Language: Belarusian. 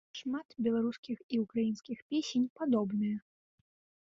Шмат беларускіх і ўкраінскіх песень падобныя.